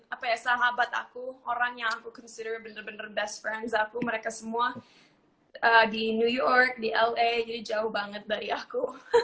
apa ya sahabat aku orang yang aku consider bener bener best friends aku mereka semua di new york di la jadi jauh banget dari aku